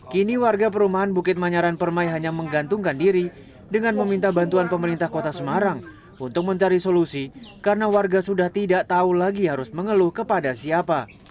kini warga perumahan bukit manyaran permai hanya menggantungkan diri dengan meminta bantuan pemerintah kota semarang untuk mencari solusi karena warga sudah tidak tahu lagi harus mengeluh kepada siapa